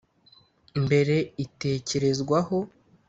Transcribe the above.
Mbere itekerezwaho